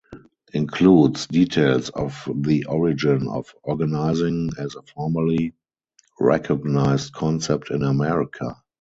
Includes details of the origin of Organizing as a formally recognized concept in America.